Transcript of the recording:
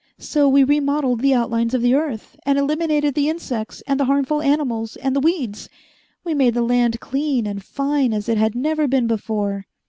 So we remodeled the outlines of the earth, and eliminated the insects and the harmful animals and the weeds. We made the land clean and fine as it had never been before."